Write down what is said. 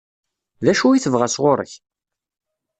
D acu i tebɣa sɣur-k?